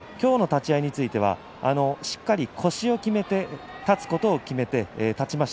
今日の立ち合いについてしっかり腰をきめて立つことを決めて立ちました。